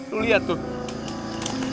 lo lihat tuh